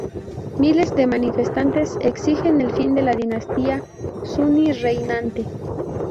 Miles de manifestantes exigen el fin de la dinastía suní reinante.